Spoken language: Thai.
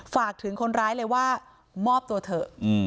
ฝากถึงคนร้ายเลยว่ามอบตัวเถอะ